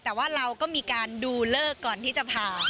แต่ว่าเราก็มีการดูเลิกก่อนที่จะผ่าน